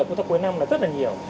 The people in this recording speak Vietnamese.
của tập quý năm là rất là nhiều